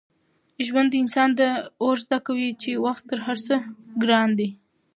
ژوند انسان ته دا ور زده کوي چي وخت تر هر څه ګران دی.